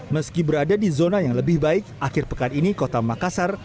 meski berada di zona yang lebih baik akhir pekan ini kota makassar